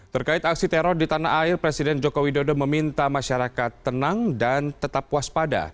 terkait aksi teror di tanah air presiden joko widodo meminta masyarakat tenang dan tetap waspada